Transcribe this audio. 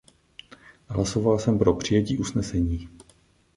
Hlasoval jsem pro přijetí usnesení.